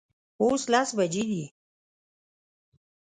اوس لس بجې دي